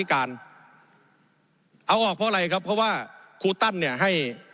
การเอาออกเพราะอะไรครับเพราะว่าครูตั้นเนี่ยให้